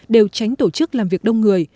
đều tránh tổ chức làm việc đông người